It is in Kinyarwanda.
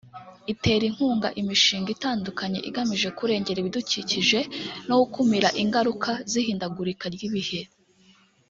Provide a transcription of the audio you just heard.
itera inkunga imishinga itandukanye igamije kurengera ibidukikije no gukumira ingaruka z’ihindagurika ry’ibihe